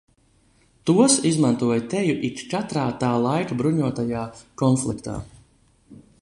Tos izmantoja teju ikkatrā tā laika bruņotajā konfliktā.